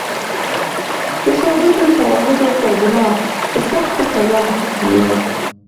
د ثابتو شواهدو پر بنا په سخته سزا محکوم یاست.